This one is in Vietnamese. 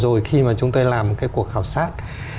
vừa rồi khi mà chúng tôi làm một cuộc khảo sát